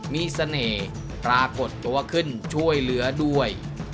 มีเสน่ห์ปรากฏตัวขึ้นช่วยเหลือด้วย